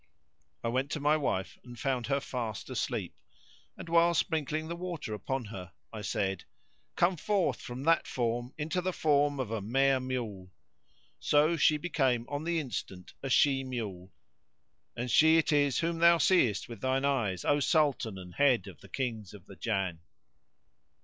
I went to my wife and found her fast asleep; and, while sprinkling the water upon her, I said, "Come forth from that form into the form of a mare mule." So she became on the instant a she mule, and she it is whom thou seest with thine eyes, O Sultan and head of the Kings of the Jann!